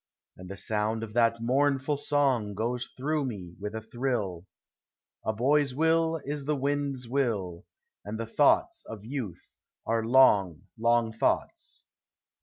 And the sound of that mournful song Goes through me with a thrill :" A boy's will is the wind's will, And the thoughts of youth are long, long thoughts."